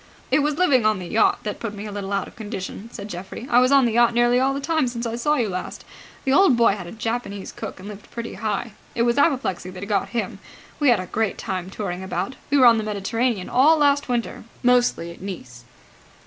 "It was living on the yacht that put me a little out of condition," said Geoffrey. "I was on the yacht nearly all the time since I saw you last. The old boy had a Japanese cook and lived pretty high. It was apoplexy that got him. We had a great time touring about. We were on the Mediterranean all last winter, mostly at Nice."